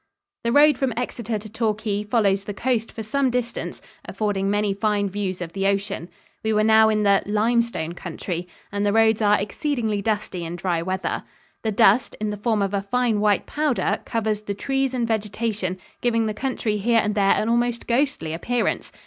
The road from Exeter to Torquay follows the coast for some distance, affording many fine views of the ocean. We were now in the "limestone country," and the roads are exceedingly dusty in dry weather. The dust, in the form of a fine white powder, covers the trees and vegetation, giving the country here and there an almost ghostly appearance.